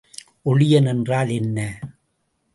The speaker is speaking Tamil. ஒளியன் என்றால் என்ன?